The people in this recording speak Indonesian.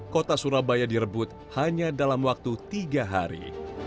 kota surabaya direbut hanya dalam waktu tiga hari